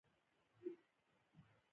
غفور لیوال ته دې